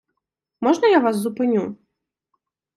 можна я вас зупиню?